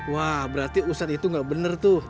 wah berarti ustad itu gak bener tuh